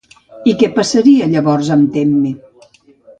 I què passaria llavors amb Temme?